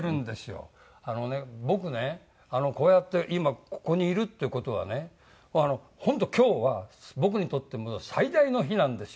僕ねこうやって今ここにいるって事はね本当今日は僕にとって最大の日なんですよ。